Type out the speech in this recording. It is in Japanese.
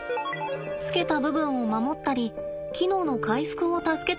つけた部分を守ったり機能の回復を助けたりします。